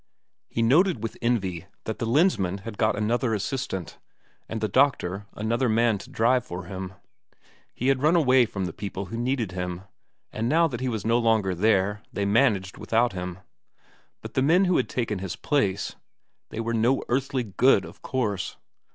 He noted with envy that the Lensmand had got another assistant, and the doctor another man to drive for him; he had run away from the people who needed him, and now that he was no longer there, they managed without him. But the men who had taken his place they were no earthly good, of course.